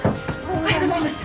おはようございます。